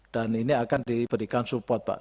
dan ini akan diberikan support pak